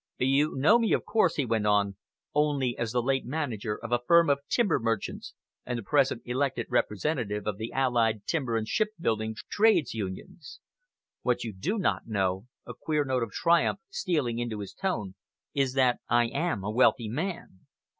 "You know me, of course," he went on, "only as the late manager of a firm of timber merchants and the present elected representative of the allied Timber and Shipbuilding Trades Unions. What you do not know" a queer note of triumph stealing into his tone "is that I am a wealthy man."